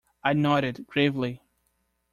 I nodded gravely.